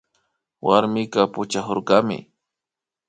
Warmika puchakurkami